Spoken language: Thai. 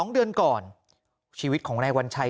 ๒เดือนก่อนชีวิตของนายวัญชัย